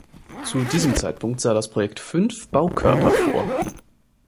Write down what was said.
Zu diesem Zeitpunkt sah das Projekt fünf Baukörper vor.